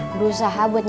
berusaha buat nyemputnya